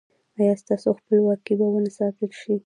ایا ستاسو خپلواکي به و نه ساتل شي؟